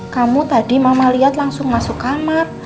kamu tadi mama lihat langsung masuk kamar